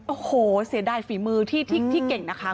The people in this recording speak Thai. โอ้โหเสียดายฝีมือที่เก่งนะคะ